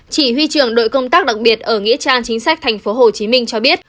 chỉ huy trưởng đội công tác đặc biệt ở nghĩa trang chính sách tp hcm cho biết